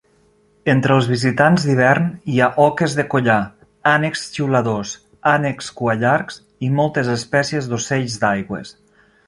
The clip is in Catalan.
Entre els visitants d'hivern hi ha oques de collar, ànecs xiuladors, ànecs cuallargs i moltes espècies d'ocells d'aigües.